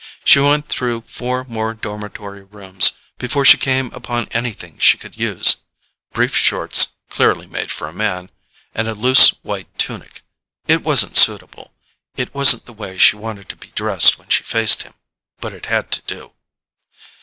She went through four more dormitory rooms before she came upon anything she could use brief shorts, clearly made for a man, and a loose, white tunic. It wasn't suitable; it wasn't the way she wanted to be dressed when she faced him. But it had to do.